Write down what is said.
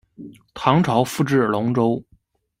唐朝复置龙州。